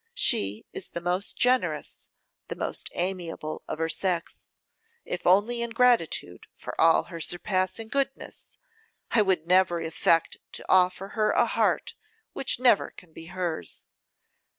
She is the most generous, the most amiable of her sex; if only in gratitude for all her surpassing goodness, I would never affect to offer her a heart which never can be hers.